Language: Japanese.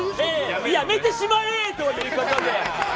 やめてしまえ！ということで。